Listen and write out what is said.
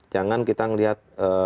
jangan kita melihat